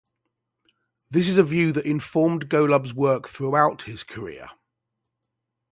This is a view that informed Golub's work throughout his career.